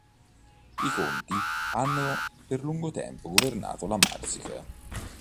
I conti hanno per lungo tempo governato la Marsica.